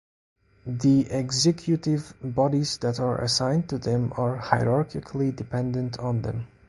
The executive bodies that are assigned to them are hierarchically dependent on them.